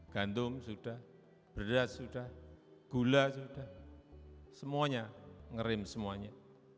gantung sudah berat sudah gula sudah semuanya ngerim semuanya